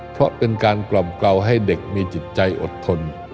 เพราะเป็นการกล่อมเกลาให้เด็กมีจิตใจอดทน